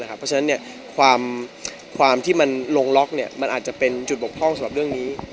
เพราะฉะนั้นความที่มันลงล็อกมันอาจจะเป็นจุดบกพร่องสำหรับเรื่องนี้